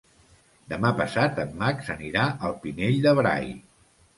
Demà passat en Max anirà al Pinell de Brai.